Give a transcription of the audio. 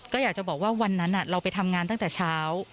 ก็อยากจะบอกว่าวันนั้นเราไปทำงานตั้งแต่เช้า